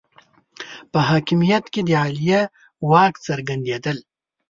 په حاکمیت کې د عالیه واک څرګندېدل